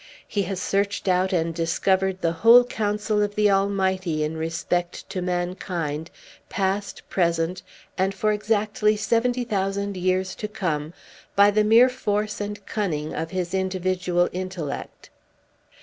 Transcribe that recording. He has searched out and discovered the whole counsel of the Almighty in respect to mankind, past, present, and for exactly seventy thousand years to come, by the mere force and cunning of his individual intellect!"